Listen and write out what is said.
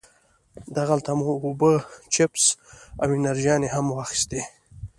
دغلته مو اوبه، چپس او انرژيانې هم واخيستې.